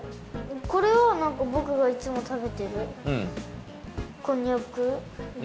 これはなんかぼくがいつもたべてるこんにゃくで。